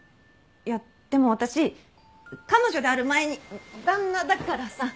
いやでも私彼女である前に旦那だからさ。